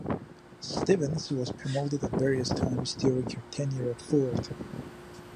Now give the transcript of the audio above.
Stevens was promoted at various times during her tenure at Ford.